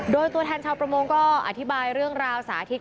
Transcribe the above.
โดยตัวแทนชาวประมงก็อธิบายเรื่องราวสาธิต